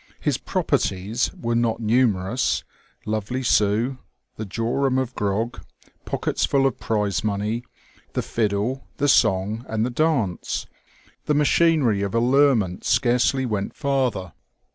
His "properties" were not numerous: lovely Sue, the jorum of grog, pockets full of prize money, the fiddle, the song, and the dance — the machinery of allurement scarcely went farther.